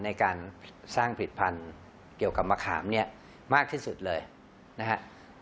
ในการสร้างผลิตภัณฑ์เกี่ยวกับมะขามเนี่ยมากที่สุดเลยนะฮะ